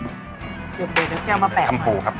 เดี๋ยวเบรย์แล้วแก้วมาแปะไหมครับอันนี้คำหูครับ